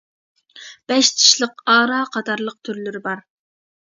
بەش چىشلىق ئارا قاتارلىق تۈرلىرى بار.